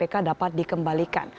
kpk dapat dikembalikan